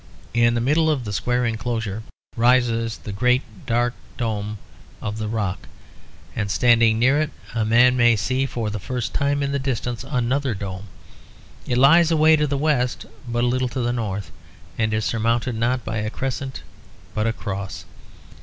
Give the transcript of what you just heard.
In the middle of the square enclosure rises the great dark Dome of the Rock; and standing near it, a man may see for the first time in the distance, another dome. It lies away to the west, but a little to the north; and it is surmounted, not by a crescent but a cross.